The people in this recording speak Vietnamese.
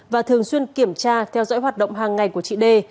và thường xuyên kiểm tra theo dõi hoạt động hàng ngày của chị đê